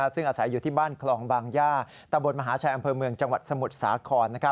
ซึ่งอาศัยอยู่ที่บ้านคลองบางย่าตะบนมหาชัยอำเภอเมืองจังหวัดสมุทรสาคร